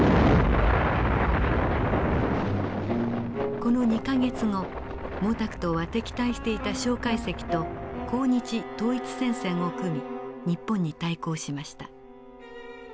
この２か月後毛沢東は敵対していた介石と抗日統一戦線を組み日本に対抗しました。